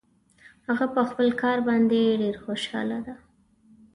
هغه په خپل کار باندې ډېر خوشحاله ده